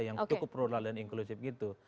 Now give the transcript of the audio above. yang cukup plural dan inklusif gitu